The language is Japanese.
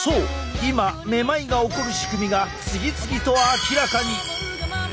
今めまいが起こる仕組みが次々と明らかに！